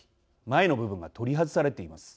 前の部分が取り外されています。